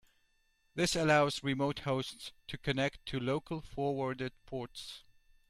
This allows remote hosts to connect to local forwarded ports.